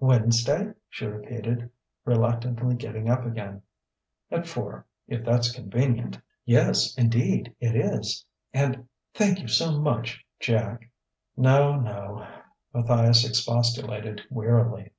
"Wednesday?" she repeated, reluctantly getting up again. "At four, if that's convenient." "Yes, indeed, it is. And ... thank you so much ... Jack." "No, no," Matthias expostulated wearily.